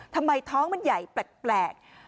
ทำไมท้องมันใหญ่แปลก